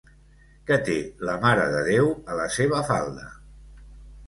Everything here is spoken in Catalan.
Què té la Mare de Déu a la seva falda?